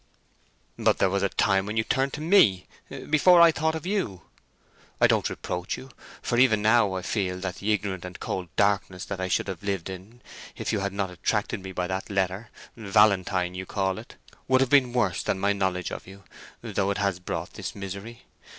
"But there was a time when you turned to me, before I thought of you! I don't reproach you, for even now I feel that the ignorant and cold darkness that I should have lived in if you had not attracted me by that letter—valentine you call it—would have been worse than my knowledge of you, though it has brought this misery.